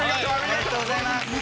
おめでとうございます。